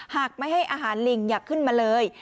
หากไม่ให้อาหารลิงอย่าขึ้นมาเลย